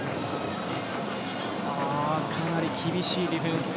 かなり厳しいディフェンス。